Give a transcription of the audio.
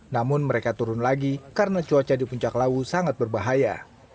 namun mereka turun lagi karena cuaca di puncak lawu sangat berbahaya